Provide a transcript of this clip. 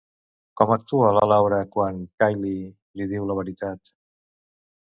Com actua la Laura quan Kyle li diu la veritat?